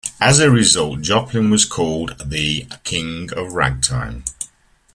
As a result Joplin was called the "King of Ragtime".